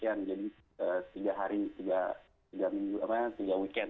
jadi tiga hari tiga minggu apa ya tiga weekend